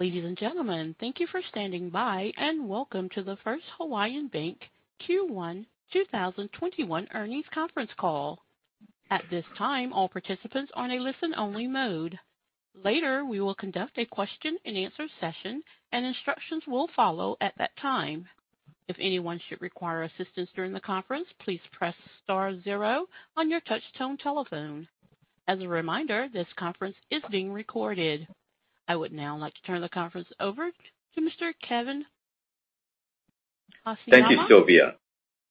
Ladies and gentlemen, thank you for standing by, and welcome to the First Hawaiian Bank Q1 2021 Earnings Conference Call. At this time, all participants are in a listen-only mode. Later, we will conduct a question-and-answer session, and instructions will follow at that time. If anyone should require assistance during the conference, please press star zero on your touch-tone telephone. As a reminder, this conference is being recorded. I would now like to turn the conference over to Mr. Kevin Haseyama. Thank you, Sylvia.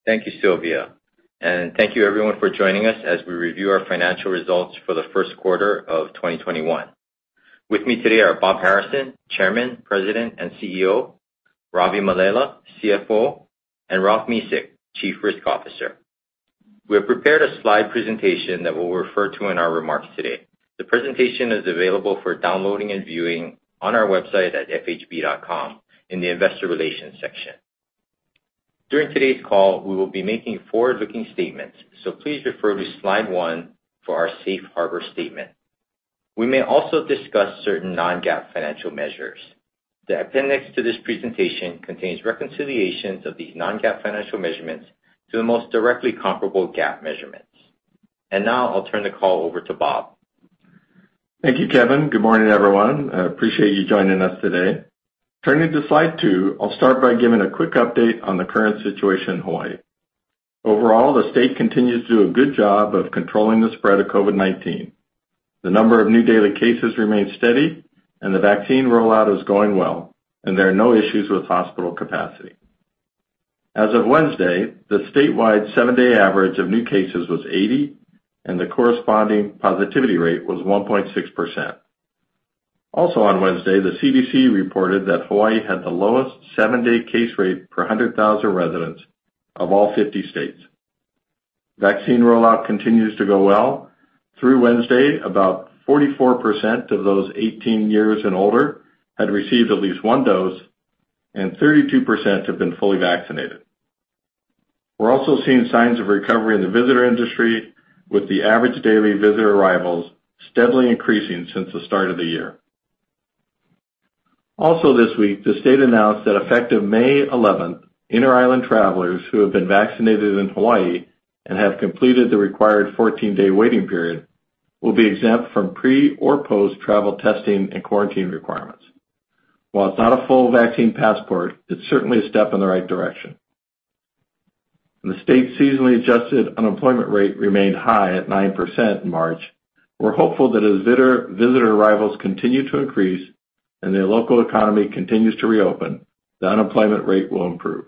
Thank you, Sylvia, and thank you everyone for joining us as we review our financial results for the first quarter of 2021. With me today are Bob Harrison, Chairman, President, and CEO, Ravi Mallela, CFO, and Ralph Mesick, Chief Risk Officer. We have prepared a slide presentation that we'll refer to in our remarks today. The presentation is available for downloading and viewing on our website at fhb.com in the investor relations section. During today's call, we will be making forward-looking statements, so please refer to slide one for our safe harbor statement. We may also discuss certain non-GAAP financial measures. The appendix to this presentation contains reconciliations of these non-GAAP financial measurements to the most directly comparable GAAP measurements. Now I'll turn the call over to Bob. Thank you, Kevin. Good morning, everyone. I appreciate you joining us today. Turning to slide two, I'll start by giving a quick update on the current situation in Hawaii. Overall, the state continues to do a good job of controlling the spread of COVID-19. The number of new daily cases remains steady, and the vaccine rollout is going well, and there are no issues with hospital capacity. As of Wednesday, the statewide seven-day average of new cases was 80, and the corresponding positivity rate was 1.6%. Also on Wednesday, the CDC reported that Hawaii had the lowest seven-day case rate per 100,000 residents of all 50 states. Vaccine rollout continues to go well. Through Wednesday, about 44% of those 18 years and older had received at least one dose, and 32% have been fully vaccinated. We're also seeing signs of recovery in the visitor industry, with the average daily visitor arrivals steadily increasing since the start of the year. This week, the state announced that effective May 11th, inter-island travelers who have been vaccinated in Hawaii and have completed the required 14-day waiting period will be exempt from pre- or post-travel testing and quarantine requirements. While it's not a full vaccine passport, it's certainly a step in the right direction. The state seasonally adjusted unemployment rate remained high at 9% in March. We're hopeful that as visitor arrivals continue to increase and the local economy continues to reopen, the unemployment rate will improve.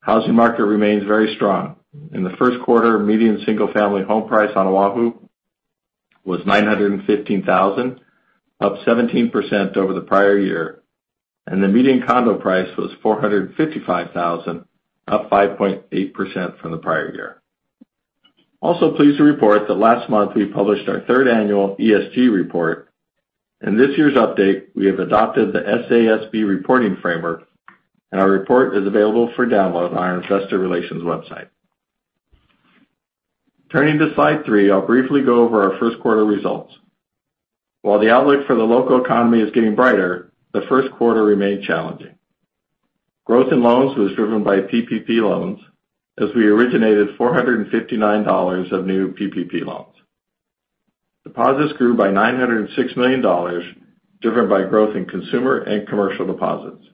Housing market remains very strong. In the first quarter, median single-family home price on O‘ahu was $915,000, up 17% over the prior year, and the median condo price was $455,000, up 5.8% from the prior year. Also pleased to report that last month we published our third annual ESG report. In this year's update, we have adopted the SASB reporting framework, and our report is available for download on our investor relations website. Turning to slide three, I'll briefly go over our first quarter results. While the outlook for the local economy is getting brighter, the first quarter remained challenging. Growth in loans was driven by PPP loans as we originated $459 million of new PPP loans. Deposits grew by $906 million, driven by growth in consumer and commercial deposits.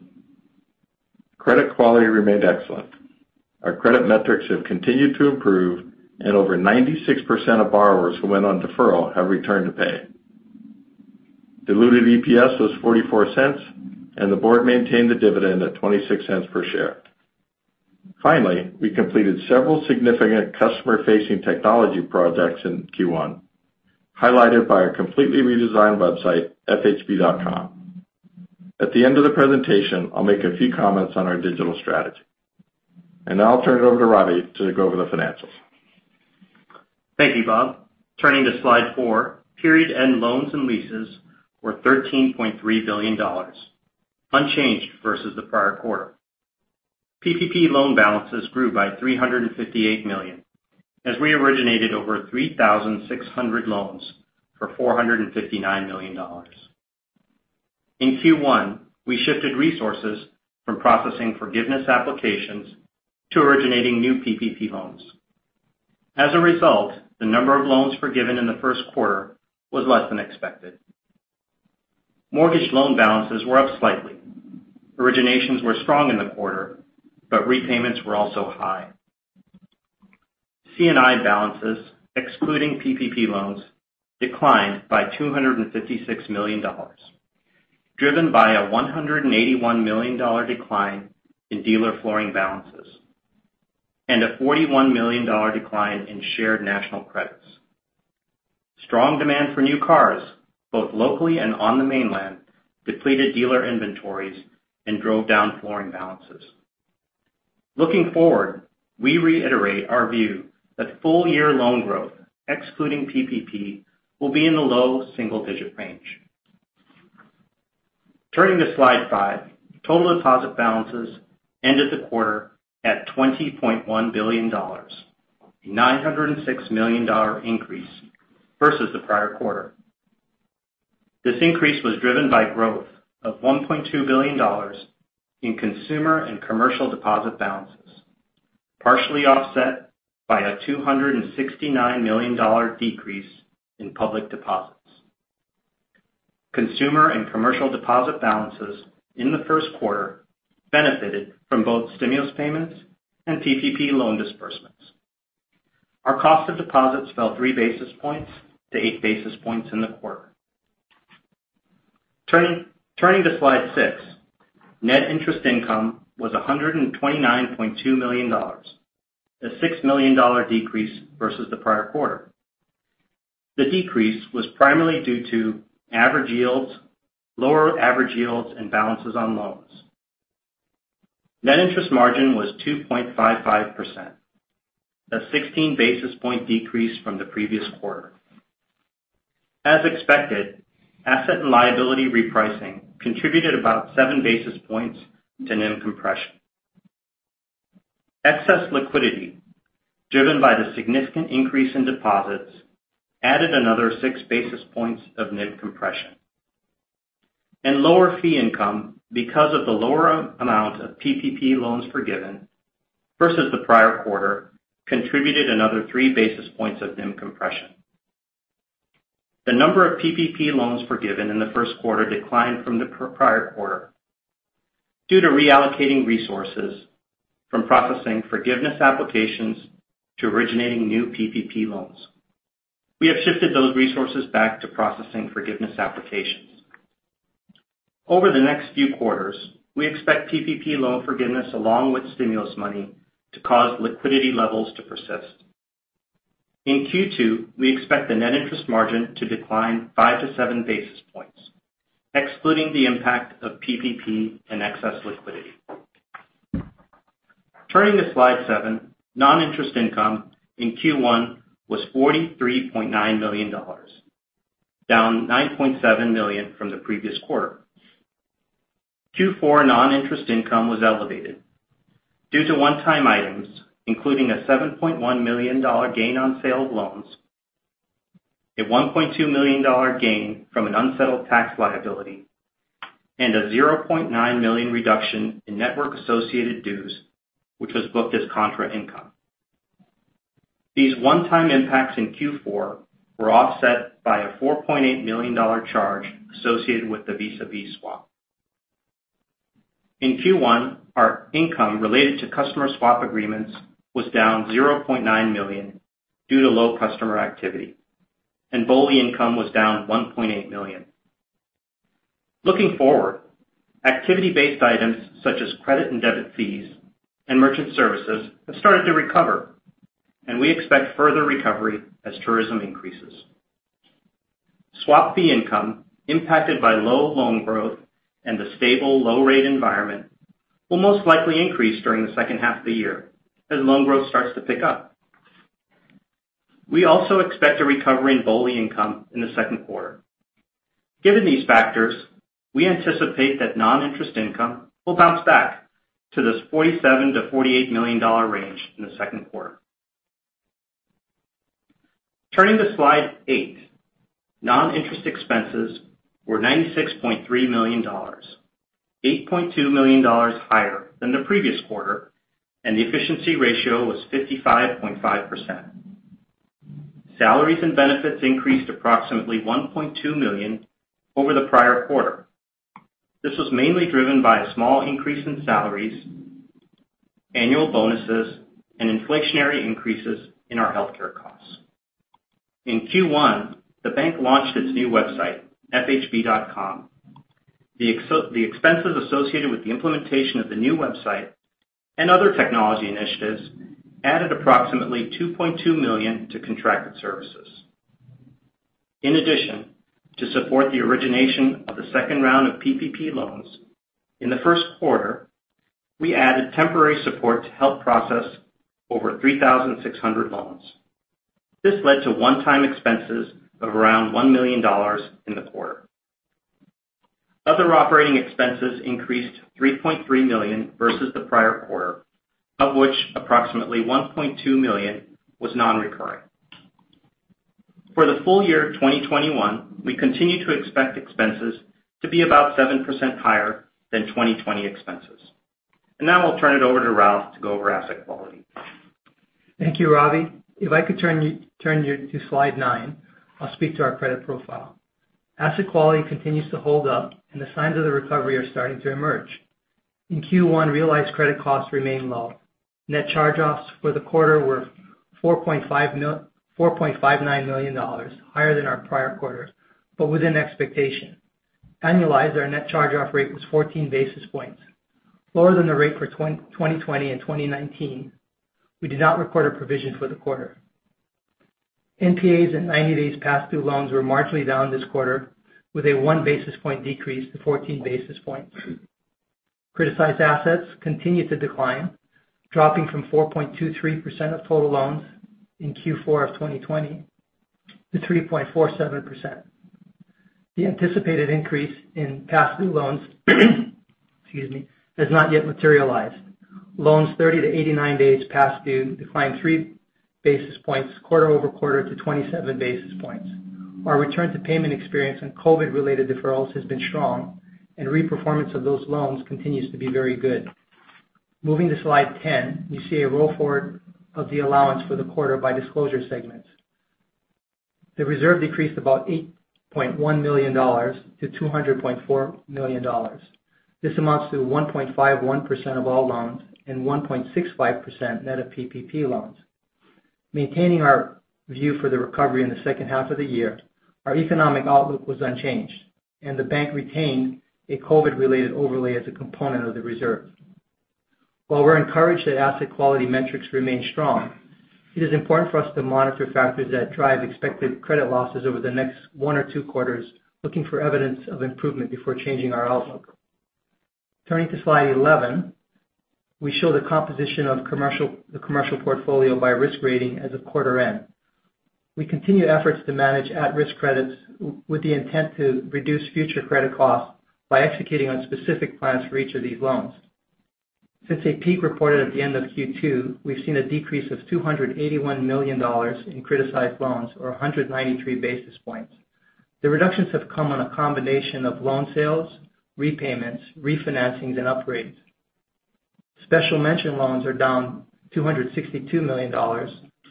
Credit quality remained excellent. Our credit metrics have continued to improve, and over 96% of borrowers who went on deferral have returned to pay. Diluted EPS was $0.44, and the Board maintained the dividend at $0.26 per share. Finally, we completed several significant customer-facing technology projects in Q1, highlighted by our completely redesigned website, fhb.com. At the end of the presentation, I'll make a few comments on our digital strategy. Now I'll turn it over to Ravi to go over the financials. Thank you, Bob. Turning to slide four, period-end loans and leases were $13.3 billion, unchanged versus the prior quarter. PPP loan balances grew by $358 million as we originated over 3,600 loans for $459 million. In Q1, we shifted resources from processing forgiveness applications to originating new PPP loans. The number of loans forgiven in the first quarter was less than expected. Mortgage loan balances were up slightly. Originations were strong in the quarter, repayments were also high. C&I balances, excluding PPP loans, declined by $256 million, driven by a $181 million decline in dealer flooring balances and a $41 million decline in shared national credits. Strong demand for new cars, both locally and on the mainland, depleted dealer inventories and drove down flooring balances. Looking forward, we reiterate our view that full-year loan growth, excluding PPP, will be in the low single-digit range. Turning to slide five, total deposit balances ended the quarter at $20.1 billion, a $906 million increase versus the prior quarter. This increase was driven by growth of $1.2 billion in consumer and commercial deposit balances, partially offset by a $269 million decrease in public deposits. Consumer and commercial deposit balances in the first quarter benefited from both stimulus payments and PPP loan disbursements. Our cost of deposits fell 3 basis points to 8 basis points in the quarter. Turning to slide six, net interest income was $129.2 million, a $6 million decrease versus the prior quarter. The decrease was primarily due to lower average yields and balances on loans. Net interest margin was 2.55%, a 16-basis-point decrease from the previous quarter. As expected, asset and liability repricing contributed about 7 basis points to NIM compression. Excess liquidity, driven by the significant increase in deposits, added another 6 basis points of NIM compression. Lower fee income because of the lower amount of PPP loans forgiven versus the prior quarter contributed another 3 basis points of NIM compression. The number of PPP loans forgiven in the first quarter declined from the prior quarter due to reallocating resources from processing forgiveness applications to originating new PPP loans. We have shifted those resources back to processing forgiveness applications. Over the next few quarters, we expect PPP loan forgiveness, along with stimulus money, to cause liquidity levels to persist. In Q2, we expect the net interest margin to decline 5-7 basis points, excluding the impact of PPP and excess liquidity. Turning to slide seven, non-interest income in Q1 was $43.9 million, down $9.7 million from the previous quarter. Q4 non-interest income was elevated due to one-time items, including a $7.1 million gain on sale of loans, a $1.2 million gain from an unsettled tax liability, and a $0.9 million reduction in network-associated dues, which was booked as contra income. These one-time impacts in Q4 were offset by a $4.8 million charge associated with the Visa B swap. In Q1, our income related to customer swap agreements was down $0.9 million due to low customer activity, and BOLI income was down $1.8 million. Looking forward, activity-based items such as credit and debit fees and merchant services have started to recover, and we expect further recovery as tourism increases. Swap fee income impacted by low loan growth and the stable low rate environment will most likely increase during the second half of the year as loan growth starts to pick up. We also expect a recovery in BOLI income in the second quarter. Given these factors, we anticipate that non-interest income will bounce back to this $47 million-$48 million range in the second quarter. Turning to slide eight, non-interest expenses were $96.3 million, $8.2 million higher than the previous quarter, and the efficiency ratio was 55.5%. Salaries and benefits increased approximately $1.2 million over the prior quarter. This was mainly driven by a small increase in salaries, annual bonuses, and inflationary increases in our healthcare costs. In Q1, the bank launched its new website, fhb.com. The expenses associated with the implementation of the new website and other technology initiatives added approximately $2.2 million to contracted services. In addition, to support the origination of the second round of PPP loans, in the first quarter, we added temporary support to help process over 3,600 loans. This led to one-time expenses of around $1 million in the quarter. Other operating expenses increased $3.3 million versus the prior quarter, of which approximately $1.2 million was non-recurring. For the full year 2021, we continue to expect expenses to be about 7% higher than 2020 expenses. Now I'll turn it over to Ralph to go over asset quality. Thank you, Ravi. If I could turn you to slide nine, I'll speak to our credit profile. Asset quality continues to hold up and the signs of the recovery are starting to emerge. In Q1, realized credit costs remain low. Net charge-offs for the quarter were $4.59 million, higher than our prior quarters but within expectation. Annualized, our net charge-off rate was 14 basis points, lower than the rate for 2020 and 2019. We did not record a provision for the quarter. NPAs and 90 days past due loans were marginally down this quarter with a 1-basis-point decrease to 14 basis points. Criticized assets continue to decline, dropping from 4.23% of total loans in Q4 of 2020 to 3.47%. The anticipated increase in past due loans excuse me, has not yet materialized. Loans 30-89 days past due declined 3 basis points quarter-over-quarter to 27 basis points. Our return-to-payment experience on COVID-related deferrals has been strong, and reperformance of those loans continues to be very good. Moving to slide 10, you see a roll-forward of the allowance for the quarter by disclosure segments. The reserve decreased about $8.1 million to $200.4 million. This amounts to 1.51% of all loans and 1.65% net of PPP loans. Maintaining our view for the recovery in the second half of the year, our economic outlook was unchanged, and the bank retained a COVID-related overlay as a component of the reserve. While we're encouraged that asset quality metrics remain strong, it is important for us to monitor factors that drive expected credit losses over the next one or two quarters, looking for evidence of improvement before changing our outlook. Turning to slide 11, we show the composition of the commercial portfolio by risk rating as of quarter end. We continue efforts to manage at-risk credits with the intent to reduce future credit costs by executing on specific plans for each of these loans. Since a peak reported at the end of Q2, we've seen a decrease of $281 million in criticized loans, or 193 basis points. The reductions have come on a combination of loan sales, repayments, refinancings, and upgrades. Special mention loans are down $262 million, or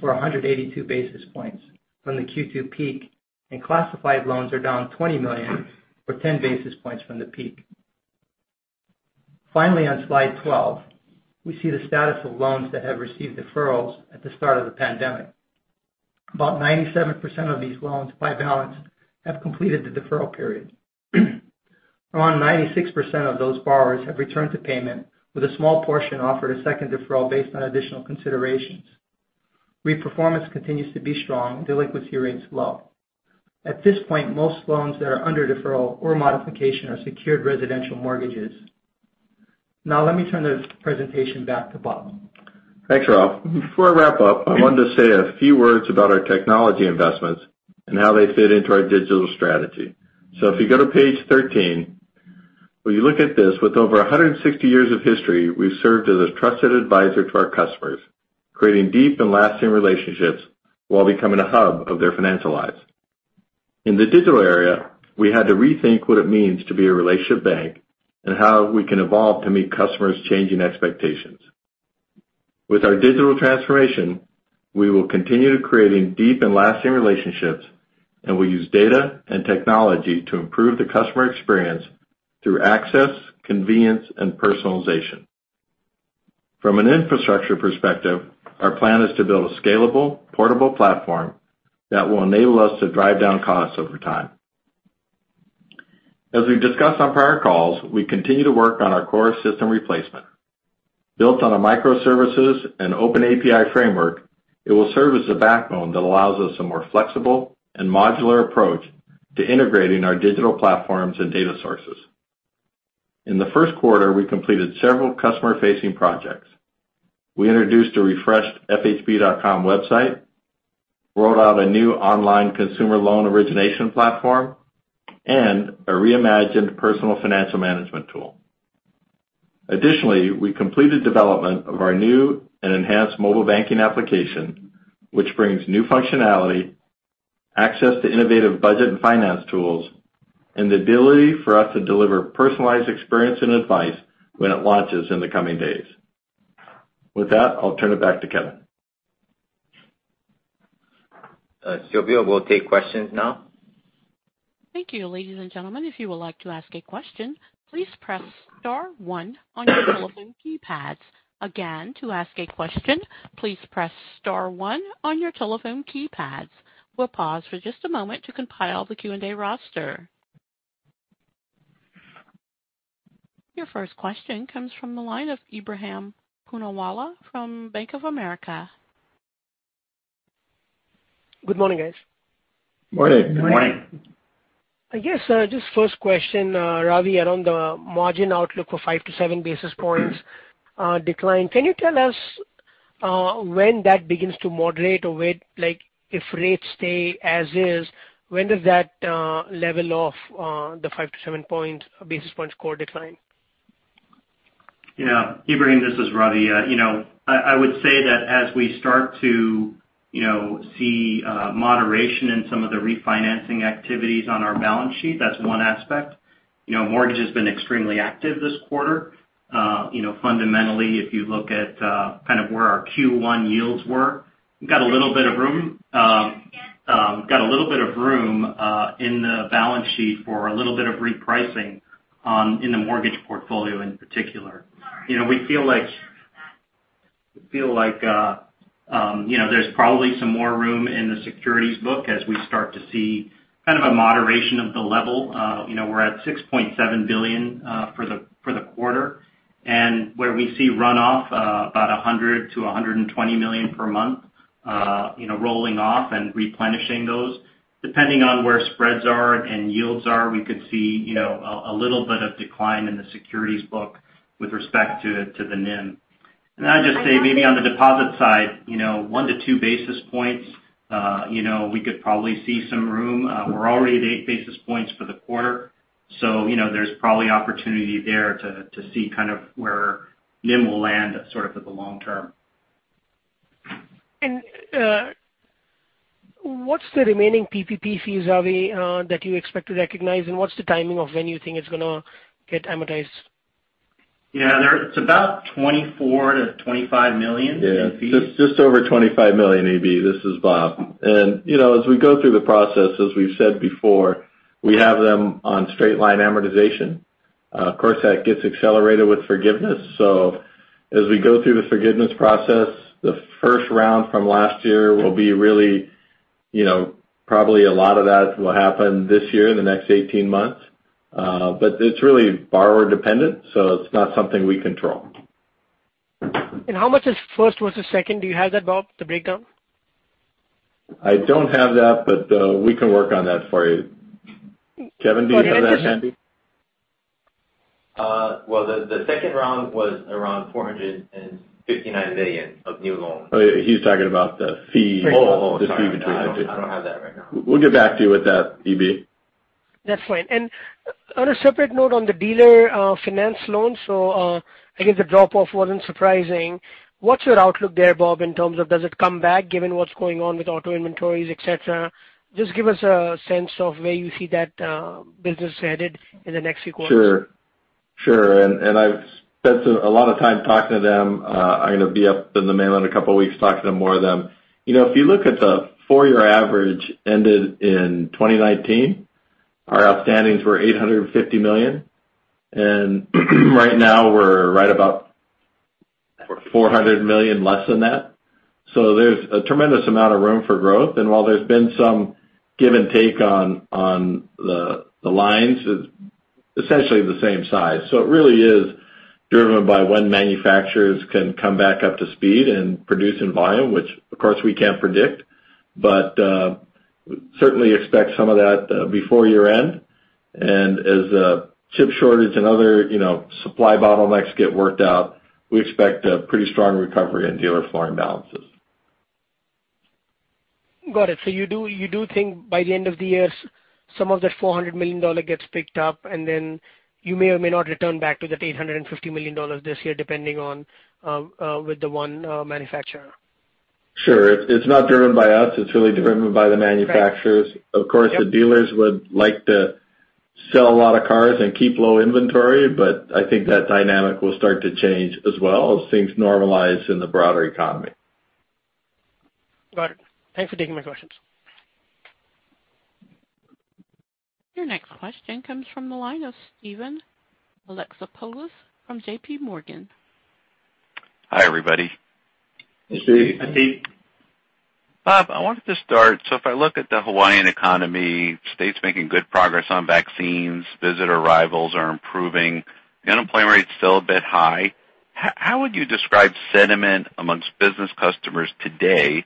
182 basis points from the Q2 peak, and classified loans are down $20 million or 10 basis points from the peak. On slide 12, we see the status of loans that have received deferrals at the start of the pandemic. About 97% of these loans by balance have completed the deferral period. Around 96% of those borrowers have returned to payment, with a small portion offered a second deferral based on additional considerations. Reperformance continues to be strong, delinquency rates low. At this point, most loans that are under deferral or modification are secured residential mortgages. Let me turn the presentation back to Bob. Thanks, Ralph. Before I wrap up, I wanted to say a few words about our technology investments and how they fit into our digital strategy. If you go to page 13, when you look at this, with over 160 years of history, we've served as a trusted advisor to our customers, creating deep and lasting relationships while becoming a hub of their financial lives. In the digital area, we had to rethink what it means to be a relationship bank and how we can evolve to meet customers' changing expectations. With our digital transformation, we will continue creating deep and lasting relationships, and we'll use data and technology to improve the customer experience through access, convenience, and personalization. From an infrastructure perspective, our plan is to build a scalable, portable platform that will enable us to drive down costs over time. As we've discussed on prior calls, we continue to work on our core system replacement. Built on a microservices and open API framework, it will serve as the backbone that allows us a more flexible and modular approach to integrating our digital platforms and data sources. In the first quarter, we completed several customer-facing projects. We introduced a refreshed fhb.com website, rolled out a new online consumer loan origination platform, and a reimagined personal financial management tool. Additionally, we completed development of our new and enhanced mobile banking application, which brings new functionality, access to innovative budget and finance tools, and the ability for us to deliver personalized experience and advice when it launches in the coming days. With that, I'll turn it back to Kevin. Sylvia, we'll take questions now. Thank you. Ladies and gentlemen, if you would like to ask a question, please press star one on your telephone keypads. Again, to ask a question, please press star one on your telephone keypads. We'll pause for just a moment to compile the Q&A roster. Your first question comes from the line of Ebrahim Poonawala from Bank of America. Good morning, guys. Morning. Morning. I guess, just first question, Ravi, around the margin outlook for 5-7 basis points, decline. Can you tell us, when that begins to moderate or when, like if rates stay as is, when does that, level off, the 5-7 point basis points core decline? Yeah. Ebrahim, this is Ravi. I would say that as we start to see moderation in some of the refinancing activities on our balance sheet, that's one aspect. Mortgage has been extremely active this quarter. Fundamentally, if you look at kind of where our Q1 yields were, we've got a little bit of room in the balance sheet for a little bit of repricing on, in the mortgage portfolio in particular. We feel like, you know, there's probably some more room in the securities book as we start to see kind of a moderation of the level. We're at $6.7 billion for the quarter, where we see runoff about $100 million-$120 million per month. Rolling off and replenishing those. Depending on where spreads are and yields are, we could see a little bit of decline in the securities book with respect to the NIM. I'd just say maybe on the deposit side, 1-2 basis points, we could probably see some room. We're already at 8 basis points for the quarter, so there's probably opportunity there to see kind of where NIM will land sort of for the long term. What's the remaining PPP fees, Ravi, that you expect to recognize, and what's the timing of when you think it's going to get amortized? Yeah. It's about $24 million-$25 million in fees. Yeah. Just over $25 million, EB. This is Bob. As we go through the process, as we've said before, we have them on straight line amortization. Of course, that gets accelerated with forgiveness. As we go through the forgiveness process, the first round from last year will be really, probably a lot of that will happen this year, in the next 18 months. It's really borrower dependent, so it's not something we control. How much is first versus second? Do you have that, Bob, the breakdown? I don't have that, but we can work on that for you. Kevin, do you have that handy? Well, the second round was around $459 million of new loans. Yeah. He's talking about the fees. Sorry. The fee between the two— I don't have that right now. We'll get back to you with that, EB. That's fine. On a separate note on the dealer finance loans, so I guess the drop-off wasn't surprising. What's your outlook there, Bob, in terms of does it come back, given what's going on with auto inventories, et cetera? Just give us a sense of where you see that business headed in the next few quarters. Sure. Sure. I've spent a lot of time talking to them. I'm going to be up in the mainland a couple of weeks talking to more of them. If you look at the four-year average ended in 2019, our outstandings were $850 million. Right now we're right about $400 million less than that. There's a tremendous amount of room for growth. While there's been some give and take on the lines, it's essentially the same size. It really is driven by when manufacturers can come back up to speed and produce in volume, which of course we can't predict. Certainly expect some of that before year end. As chip shortage and other supply bottlenecks get worked out, we expect a pretty strong recovery in dealer flooring balances. Got it. You do think by the end of the year, some of that $400 million gets picked up, and then you may or may not return back to that $850 million this year, depending on with the one manufacturer. Sure. It's not driven by us. It's really driven by the manufacturers. Right. Yep. Of course, the dealers would like to sell a lot of cars and keep low inventory, but I think that dynamic will start to change as well as things normalize in the broader economy. Got it. Thanks for taking my questions. Your next question comes from the line of Steven Alexopoulos from JPMorgan. Hi, everybody. Hey, Steve. Hi, Steve. Bob, I wanted to start, if I look at the Hawaiian economy, state's making good progress on vaccines, visitor arrivals are improving. The unemployment rate's still a bit high. How would you describe sentiment amongst business customers today?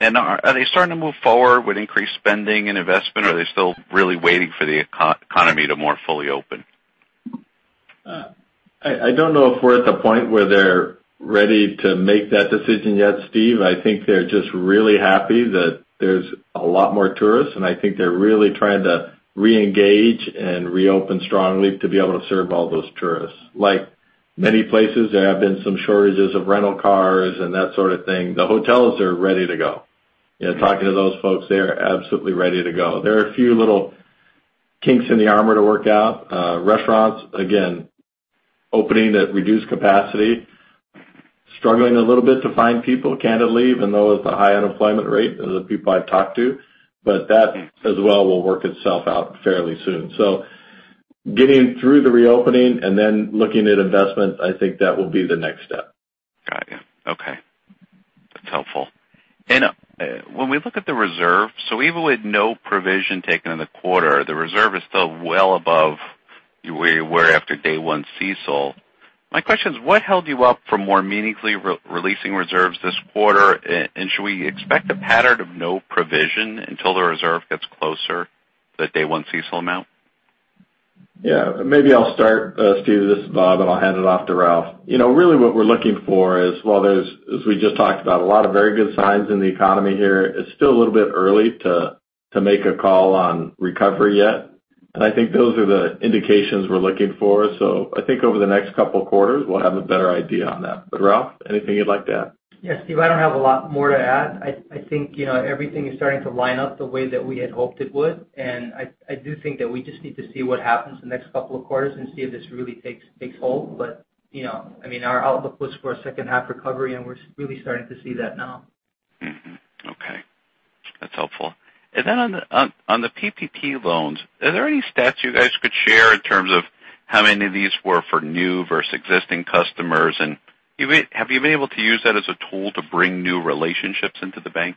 Are they starting to move forward with increased spending and investment, or are they still really waiting for the economy to more fully open? I don't know if we're at the point where they're ready to make that decision yet, Steve. I think they're just really happy that there's a lot more tourists, and I think they're really trying to reengage and reopen strongly to be able to serve all those tourists. Like many places, there have been some shortages of rental cars and that sort of thing. The hotels are ready to go. Talking to those folks, they are absolutely ready to go. There are a few little kinks in the armor to work out. Restaurants, again, opening at reduced capacity, struggling a little bit to find people, candidly, even though with the high unemployment rate of the people I've talked to. That as well will work itself out fairly soon. Getting through the reopening and then looking at investments, I think that will be the next step. Got you. Okay. That's helpful. When we look at the reserve, even with no provision taken in the quarter, the reserve is still well above where you were after day one CECL. My question is, what held you up for more meaningfully releasing reserves this quarter? Should we expect a pattern of no provision until the reserve gets closer to that day one CECL amount? Yeah. Maybe I'll start, Steve. This is Bob, and I'll hand it off to Ralph. Really what we're looking for is, while there's, as we just talked about, a lot of very good signs in the economy here, it's still a little bit early to make a call on recovery yet. I think those are the indications we're looking for. I think over the next couple of quarters, we'll have a better idea on that. Ralph, anything you'd like to add? Yeah, Steve, I don't have a lot more to add. I think everything is starting to line up the way that we had hoped it would, and I do think that we just need to see what happens the next couple of quarters and see if this really takes hold. Our outlook was for a second half recovery, and we're really starting to see that now. Okay. That's helpful. On the PPP loans, are there any stats you guys could share in terms of how many of these were for new versus existing customers? Have you been able to use that as a tool to bring new relationships into the bank?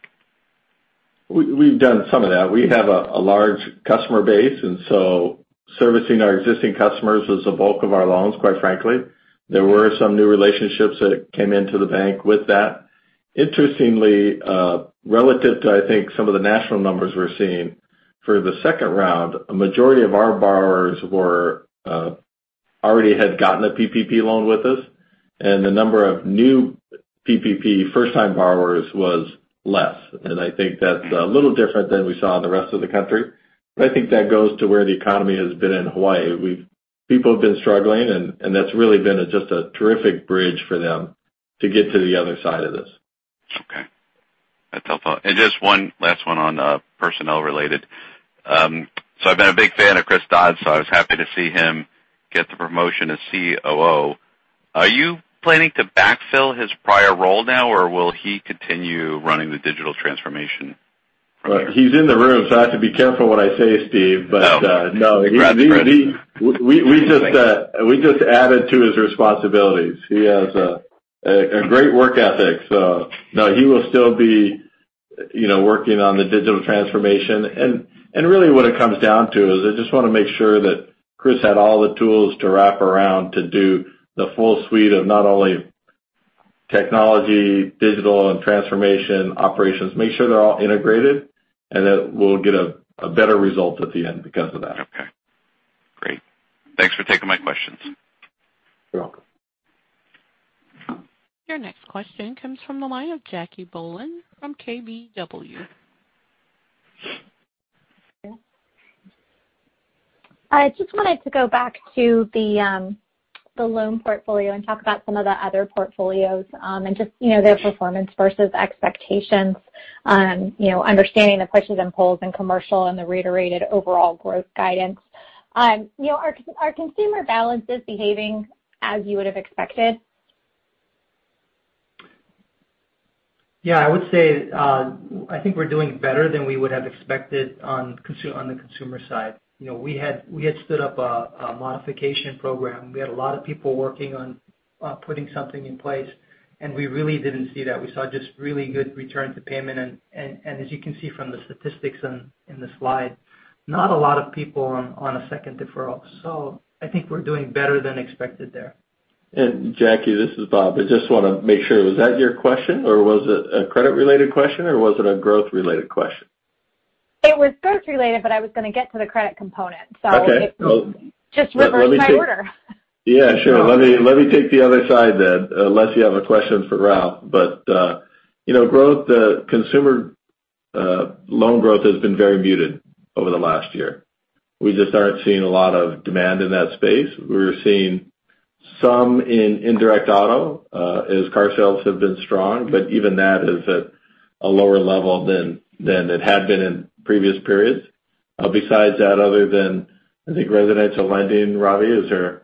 We've done some of that. We have a large customer base, and so servicing our existing customers was the bulk of our loans, quite frankly. There were some new relationships that came into the bank with that. Interestingly, relative to, I think, some of the national numbers we're seeing for the second round, a majority of our borrowers already had gotten a PPP loan with us, and the number of new PPP first-time borrowers was less. I think that's a little different than we saw in the rest of the country. I think that goes to where the economy has been in Hawaii. People have been struggling, and that's really been just a terrific bridge for them to get to the other side of this. Okay. That's helpful. Just one last one on personnel related. I've been a big fan of Chris Dods, so I was happy to see him get the promotion to COO. Are you planning to backfill his prior role now, or will he continue running the digital transformation from here? He's in the room, so I have to be careful what I say, Steve. Oh. No. Congrats, Chris. We just added to his responsibilities. He has a great work ethic. No, he will still be working on the digital transformation. Really what it comes down to is I just want to make sure that Chris had all the tools to wrap around to do the full suite of not only technology, digital and transformation, operations, make sure they're all integrated, and that we'll get a better result at the end because of that. Okay. Great. Thanks for taking my questions. You're welcome. Your next question comes from the line of Jackie Bohlen from KBW. I just wanted to go back to the loan portfolio and talk about some of the other portfolios and just their performance versus expectations. Understanding the pushes and pulls in commercial and the reiterated overall growth guidance. Are consumer balances behaving as you would have expected? Yeah, I would say, I think we're doing better than we would have expected on the consumer side. We had stood up a modification program. We had a lot of people working on putting something in place, and we really didn't see that. We saw just really good return to payment, and as you can see from the statistics in the slide, not a lot of people on a second deferral. I think we're doing better than expected there. Jackie, this is Bob. I just want to make sure, was that your question, or was it a credit-related question, or was it a growth-related question? It was growth related, but I was going to get to the credit component. Okay. Just reversing my order. Yeah, sure. Let me take the other side then, unless you have a question for Ralph. Consumer loan growth has been very muted over the last year. We just aren't seeing a lot of demand in that space. We're seeing some in indirect auto as car sales have been strong, but even that is at a lower level than it had been in previous periods. Besides that, other than, I think, residential lending, Ravi, is there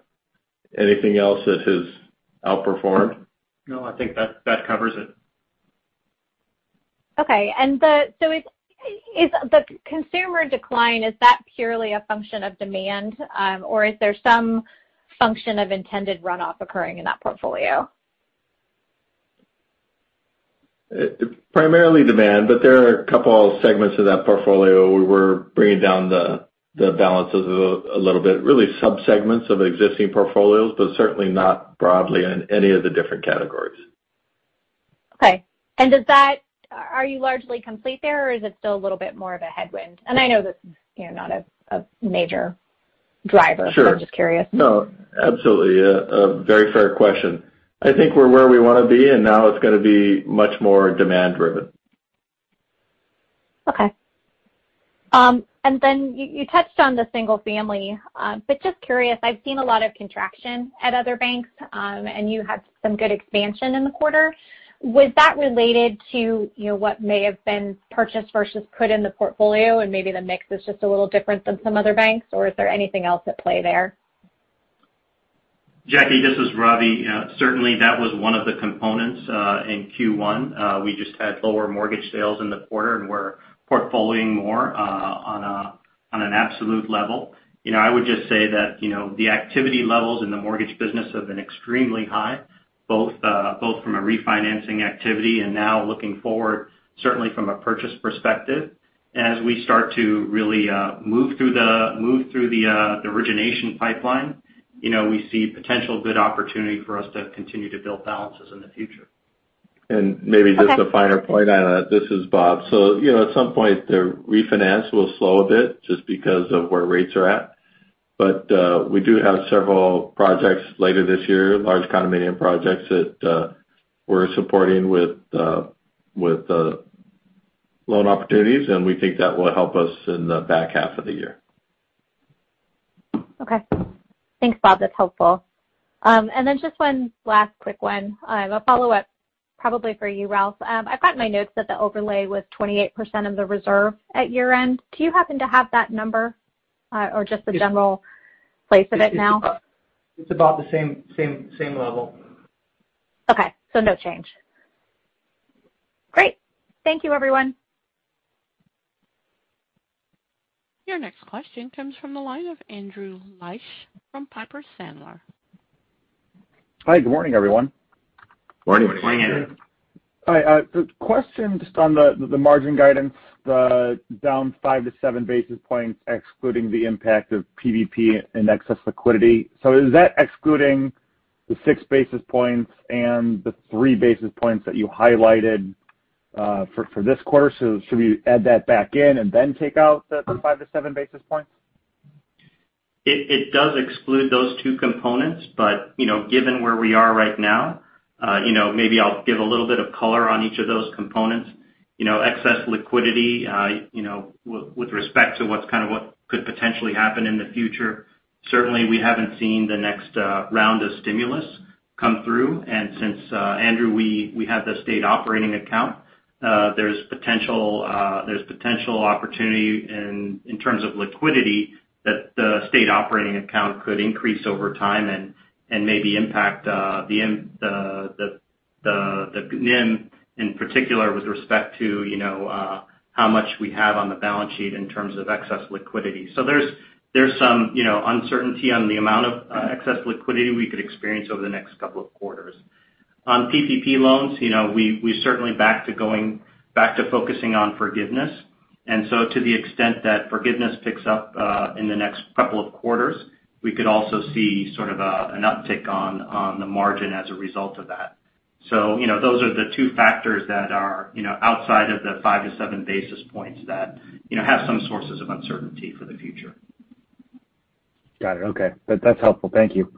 anything else that has outperformed? No, I think that covers it. Okay. The consumer decline, is that purely a function of demand? Or is there some function of intended runoff occurring in that portfolio? Primarily demand, but there are a couple of segments of that portfolio where we're bringing down the balances a little bit. Really sub-segments of existing portfolios, but certainly not broadly in any of the different categories. Okay. Are you largely complete there, or is it still a little bit more of a headwind? I know that's not a major driver. Sure. I'm just curious. No, absolutely. A very fair question. I think we're where we want to be. Now it's going to be much more demand driven. Okay. You touched on the single family. Just curious, I've seen a lot of contraction at other banks, and you had some good expansion in the quarter. Was that related to what may have been purchased versus put in the portfolio and maybe the mix is just a little different than some other banks, or is there anything else at play there? Jackie, this is Ravi. Certainly, that was one of the components in Q1. We just had lower mortgage sales in the quarter, and we're portfolioing more on an absolute level. I would just say that the activity levels in the mortgage business have been extremely high, both from a refinancing activity and now looking forward, certainly from a purchase perspective. As we start to really move through the origination pipeline, we see potential good opportunity for us to continue to build balances in the future. Maybe just a final point on that. This is Bob. At some point the refinance will slow a bit just because of where rates are at. We do have several projects later this year, large condominium projects that we're supporting with loan opportunities, and we think that will help us in the back half of the year. Thanks, Bob. That's helpful. Just one last quick one. A follow-up probably for you, Ralph. I've got in my notes that the overlay was 28% of the reserve at year end. Do you happen to have that number? Or just the general place of it now? It's about the same level. Okay. No change. Great. Thank you, everyone. Your next question comes from the line of Andrew Liesch from Piper Sandler. Hi, good morning, everyone. Morning. Hi. The question just on the margin guidance down 5-7 basis points excluding the impact of PPP and excess liquidity. Is that excluding the 6 basis points and the 3 basis points that you highlighted for this quarter? Should we add that back in and then take out the 5-7 basis points? It does exclude those two components. Given where we are right now, maybe I'll give a little bit of color on each of those components. Excess liquidity with respect to what could potentially happen in the future. Certainly, we haven't seen the next round of stimulus come through. Since, Andrew, we have the state operating account, there's potential opportunity in terms of liquidity that the state operating account could increase over time and maybe impact the NIM in particular with respect to how much we have on the balance sheet in terms of excess liquidity. There's some uncertainty on the amount of excess liquidity we could experience over the next couple of quarters. On PPP loans, we certainly back to going back to focusing on forgiveness. To the extent that forgiveness picks up in the next couple of quarters, we could also see sort of an uptick on the margin as a result of that. Those are the two factors that are outside of the 5-7 basis points that have some sources of uncertainty for the future. Got it. Okay. That's helpful. Thank you.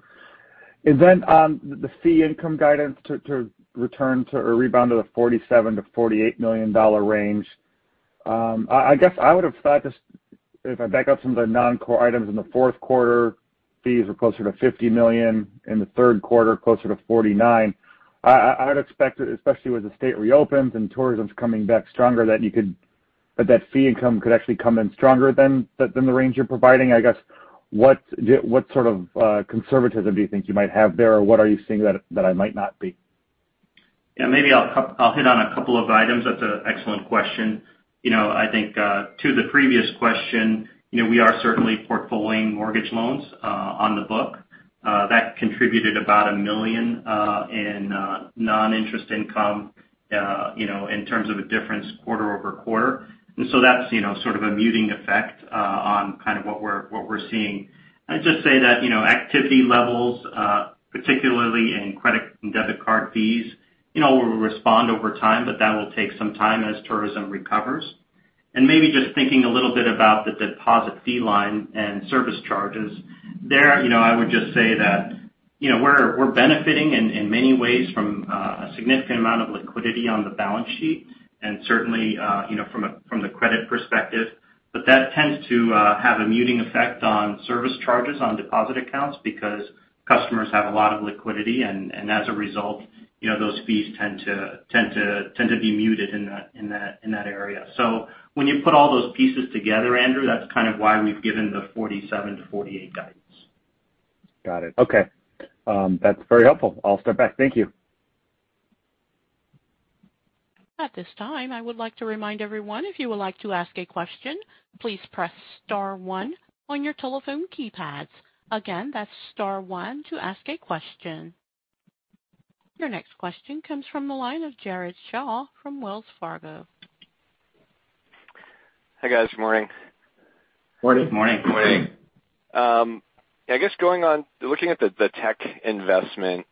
The fee income guidance to return to or rebound to the $47 million-$48 million range. I guess I would have thought this, if I back out some of the non-core items in the fourth quarter, fees were closer to $50 million, in the third quarter, closer to $49 million. I would expect, especially as the state reopens and tourism's coming back stronger, that fee income could actually come in stronger than the range you're providing. I guess, what sort of conservatism do you think you might have there, or what are you seeing that I might not be? Yeah, maybe I'll hit on a couple of items. That's an excellent question. I think to the previous question, we are certainly portfolioing mortgage loans on the book. That contributed about $1 million in non-interest income in terms of a difference quarter-over-quarter. That's sort of a muting effect on what we're seeing. I'd just say that activity levels particularly in credit and debit card fees will respond over time, but that will take some time as tourism recovers. Maybe just thinking a little bit about the deposit fee line and service charges. There, I would just say that we're benefiting in many ways from a significant amount of liquidity on the balance sheet, and certainly from the credit perspective. That tends to have a muting effect on service charges on deposit accounts because customers have a lot of liquidity, and as a result, those fees tend to be muted in that area. When you put all those pieces together, Andrew, that's kind of why we've given the $47 million-$48 million guidance. Got it. Okay. That's very helpful. I'll step back. Thank you. At this time, I would like to remind everyone if you would like to ask a question, please press star one on your telephone keypads. Again, that's star one to ask a question. Your next question comes from the line of Jared Shaw from Wells Fargo. Hi, guys. Morning. Morning. Morning. I guess going on looking at the tech investment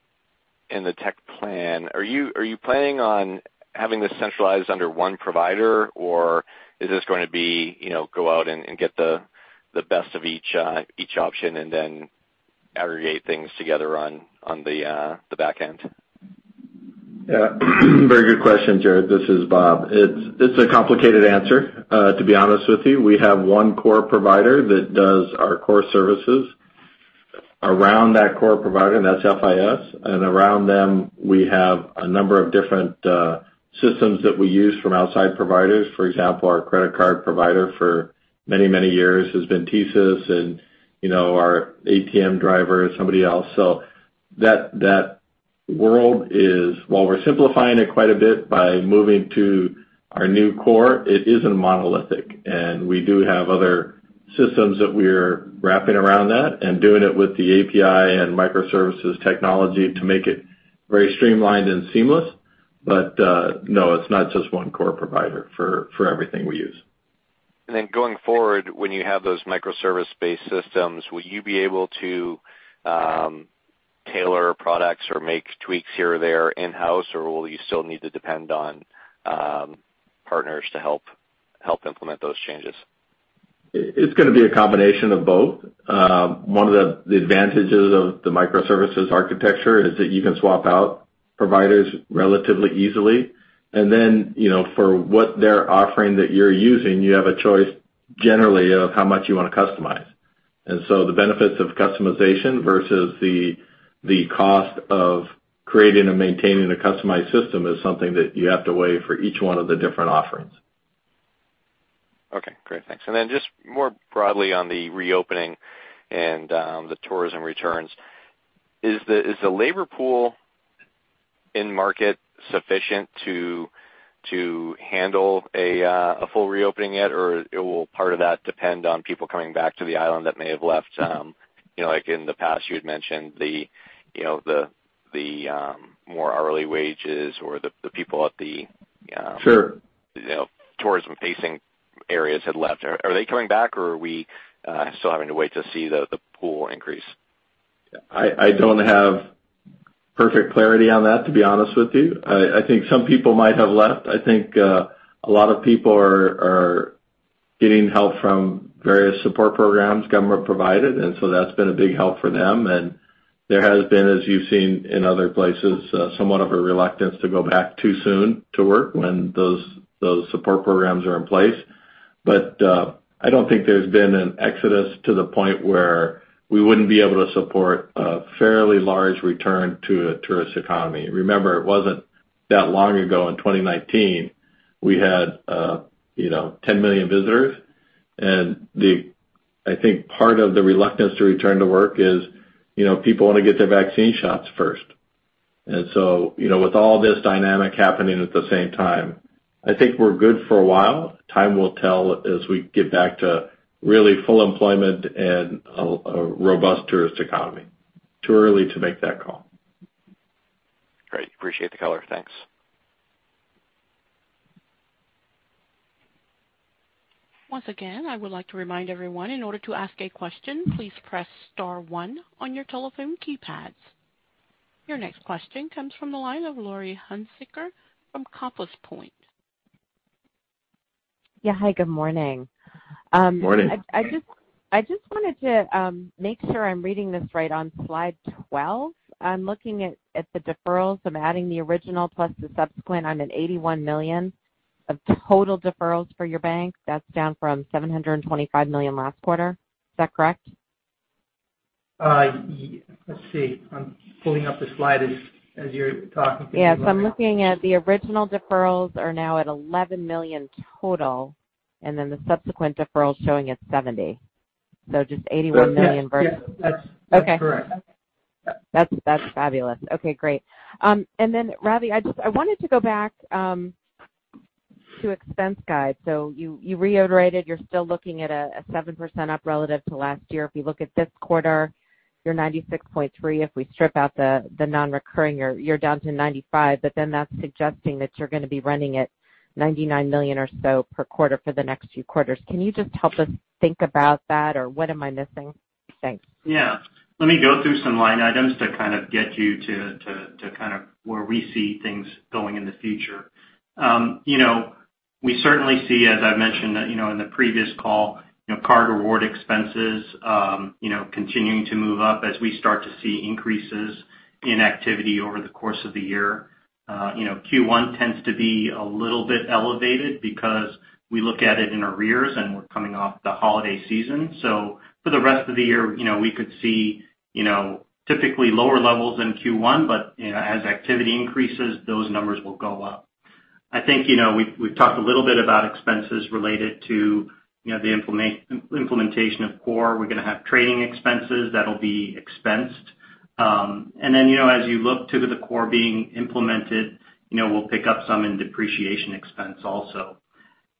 and the tech plan, are you planning on having this centralized under one provider, or is this going to be go out and get the best of each option and then aggregate things together on the back end? Very good question, Jared. This is Bob. It's a complicated answer, to be honest with you. We have one core provider that does our core services. Around that core provider, and that's FIS, and around them, we have a number of different systems that we use from outside providers. For example, our credit card provider for many, many years has been TSYS and our ATM driver is somebody else. That world is while we're simplifying it quite a bit by moving to our new core, it isn't monolithic. We do have other systems that we're wrapping around that and doing it with the API and microservices technology to make it very streamlined and seamless. No, it's not just one core provider for everything we use. Going forward, when you have those microservice-based systems, will you be able to tailor products or make tweaks here or there in-house, or will you still need to depend on partners to help implement those changes? It's going to be a combination of both. One of the advantages of the microservices architecture is that you can swap out providers relatively easily. Then for what they're offering that you're using, you have a choice generally of how much you want to customize. So the benefits of customization versus the cost of creating and maintaining a customized system is something that you have to weigh for each one of the different offerings. Okay, great. Thanks. Just more broadly on the reopening and the tourism returns, is the labor pool in market sufficient to handle a full reopening yet? Will part of that depend on people coming back to the island that may have left? Like in the past you had mentioned the more hourly wages or the people of the— Sure. Tourism-facing areas had left. Are they coming back or are we still having to wait to see the pool increase? I don't have perfect clarity on that, to be honest with you. I think some people might have left. I think a lot of people are getting help from various support programs, government provided, and so that's been a big help for them. There has been, as you've seen in other places, somewhat of a reluctance to go back too soon to work when those support programs are in place. I don't think there's been an exodus to the point where we wouldn't be able to support a fairly large return to a tourist economy. Remember, it wasn't that long ago in 2019, we had 10 million visitors. I think part of the reluctance to return to work is people want to get their vaccine shots first. With all this dynamic happening at the same time, I think we're good for a while. Time will tell as we get back to really full employment and a robust tourist economy. Too early to make that call. Great. Appreciate the color. Thanks. Once again, I would like to remind everyone, in order to ask a question, please press star one on your telephone keypads. Your next question comes from the line of Laurie Hunsicker from Compass Point. Yeah. Hi, good morning. Good morning. I just wanted to make sure I'm reading this right on slide 12. I'm looking at the deferrals. I'm adding the original plus the subsequent. I'm at $81 million of total deferrals for your bank. That's down from $725 million last quarter. Is that correct? Let's see. I'm pulling up the slide as you're talking to me, Laurie. Yes, I'm looking at the original deferrals are now at $11 million total, and then the subsequent deferral's showing at $70 million. Just $81 million versus— Yes, that's correct. Okay. That's fabulous. Okay, great. Ravi, I wanted to go back to expense guide. You reiterated you're still looking at a 7% up relative to last year. If you look at this quarter, you're $96.3 million. If we strip out the non-recurring, you're down to $95 million. That's suggesting that you're going to be running at $99 million or so per quarter for the next few quarters. Can you just help us think about that, or what am I missing? Thanks. Yeah. Let me go through some line items to kind of get you to where we see things going in the future. We certainly see, as I mentioned in the previous call, card reward expenses continuing to move up as we start to see increases in activity over the course of the year. Q1 tends to be a little bit elevated because we look at it in arrears, and we're coming off the holiday season. For the rest of the year, we could see typically lower levels than Q1, but as activity increases, those numbers will go up. I think we've talked a little bit about expenses related to the implementation of core. We're going to have training expenses that'll be expensed. As you look to the core being implemented, we'll pick up some in depreciation expense also.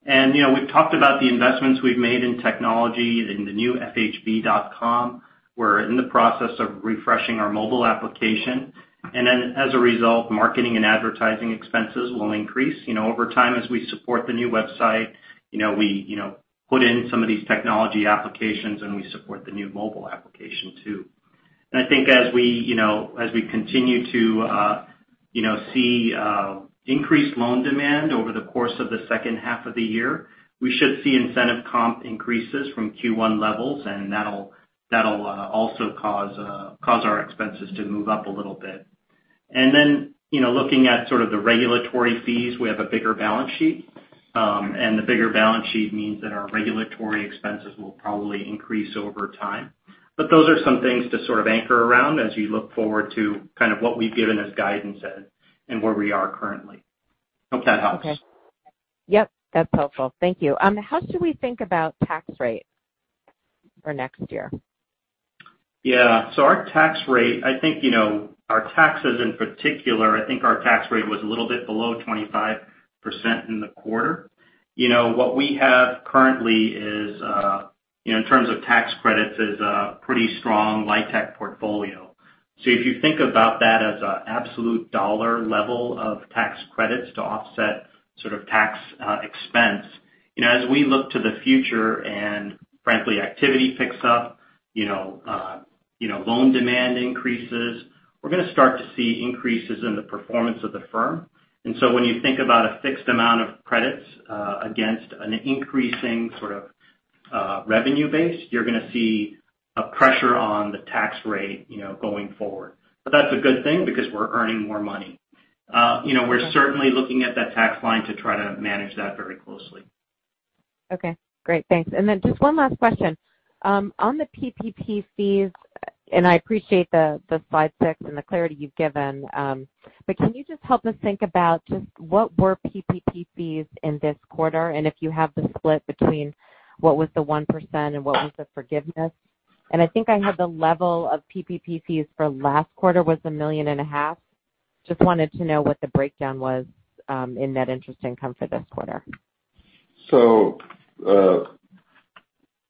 We've talked about the investments we've made in technology in the new fhb.com. We're in the process of refreshing our mobile application. As a result, marketing and advertising expenses will increase over time as we support the new website. We put in some of these technology applications, and we support the new mobile application too. I think as we continue to see increased loan demand over the course of the second half of the year, we should see incentive comp increases from Q1 levels, and that'll also cause our expenses to move up a little bit. Looking at sort of the regulatory fees, we have a bigger balance sheet. The bigger balance sheet means that our regulatory expenses will probably increase over time. Those are some things to sort of anchor around as you look forward to kind of what we've given as guidance and where we are currently. Hope that helps. Okay. Yep, that's helpful. Thank you. How should we think about tax rate for next year? Our tax rate, I think, our taxes in particular, I think our tax rate was a little bit below 25% in the quarter. What we have currently is, in terms of tax credits, is a pretty strong LIHTC portfolio. If you think about that as an absolute dollar level of tax credits to offset sort of tax expense. As we look to the future and frankly, activity picks up, loan demand increases, we're going to start to see increases in the performance of the firm. When you think about a fixed amount of credits against an increasing sort of revenue base, you're going to see a pressure on the tax rate going forward. That's a good thing because we're earning more money. We're certainly looking at that tax line to try to manage that very closely. Okay, great. Thanks. Just one last question. On the PPP fees, I appreciate the slide six and the clarity you've given, can you just help us think about just what were PPP fees in this quarter, and if you have the split between what was the 1% and what was the forgiveness? I think I heard the level of PPP fees for last quarter was $1.5 million. Just wanted to know what the breakdown was in net interest income for this quarter.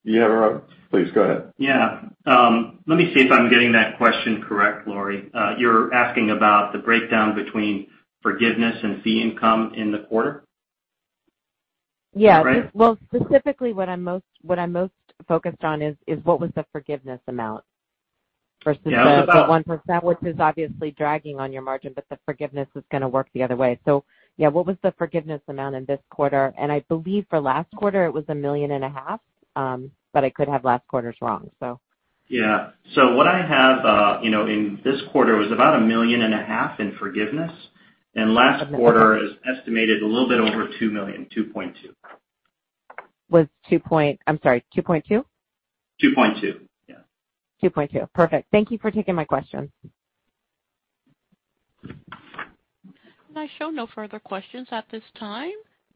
Please go ahead. Yeah. Let me see if I'm getting that question correct, Laurie. You're asking about the breakdown between forgiveness and fee income in the quarter? Yeah. Well, specifically what I'm most focused on is what was the forgiveness amount versus the 1%, which is obviously dragging on your margin. The forgiveness is going to work the other way. Yeah, what was the forgiveness amount in this quarter? I believe for last quarter it was $1.5 million. I could have last quarter's wrong. Yeah. What I have in this quarter was about $1.5 million in forgiveness, and last quarter is estimated a little bit over $2 million, $2.2 million. Was two point I'm sorry, $2.2 million? $2.2 million, yeah. Perfect. Thank you for taking my questions. I show no further questions at this time.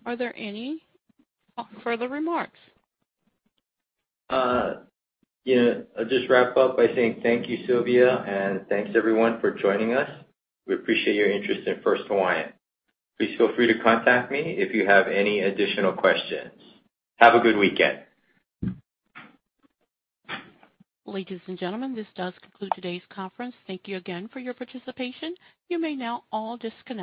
Are there any further remarks? Yeah. I'll just wrap up by saying thank you, Sylvia, and thanks everyone for joining us. We appreciate your interest in First Hawaiian. Please feel free to contact me if you have any additional questions. Have a good weekend. Ladies and gentlemen, this does conclude today's conference. Thank you again for your participation. You may now all disconnect.